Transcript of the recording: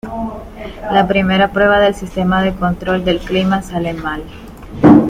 La primera prueba del sistema de control del clima sale mal.